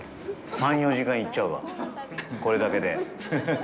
３４時間、いっちゃうわ、これだけで。